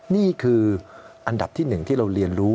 นี่คืออันดับที่๑ที่เราเรียนรู้